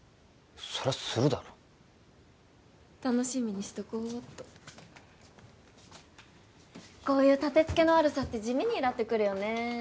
そりゃするだろ楽しみにしとこうっとこういう立て付けの悪さって地味にイラッてくるよね